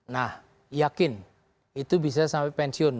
nah yakin itu bisa sampai pensiun